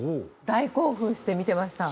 大興奮して見てました。